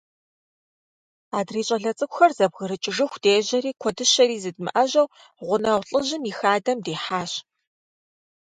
Адрей щӀалэ цӀыкӀухэр зэбгрыкӀыжыху дежьэри, куэдыщэри зыдмыӀэжьэжу, гъунэгъу лӏыжьым и хадэм дихьащ.